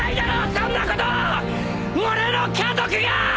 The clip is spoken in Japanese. そんなことを俺の家族が！！